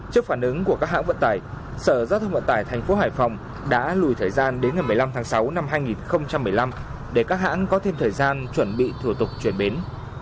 trước phản ứng của các hãng vận tải sở giao thông vận tải tp hải phòng đã lùi thời gian đến ngày một mươi năm tháng sáu năm hai nghìn một mươi năm để các hãng có thêm thời gian chuẩn bị thủ tục chuyển bến